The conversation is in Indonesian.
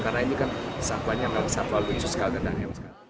karena ini kan sampahnya kan sampah lucu sekali